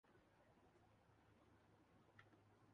کہ وہ ایک دوسرے کا دکھ درد بھی محسوس کرتے ہیں ۔